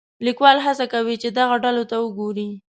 لیکوال هڅه کوي چې دغو ډلو ته وګوري.